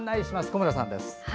小村さんです。